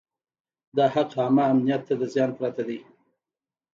دا حق عامه امنیت ته د زیان پرته دی.